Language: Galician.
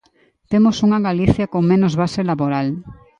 Temos unha Galicia con menos base laboral.